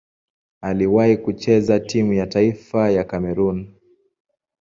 Aliwahi kucheza timu ya taifa ya Kamerun.